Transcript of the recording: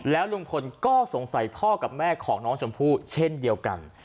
แล้วลุงพลก็สงสัยพ่อกับแม่ของน้องชมพู่เช่นเดียวกัน